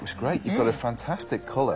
はい。